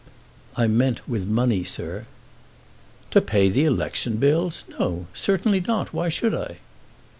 "I meant with money, sir." "To pay the election bills! No; certainly not. Why should I?"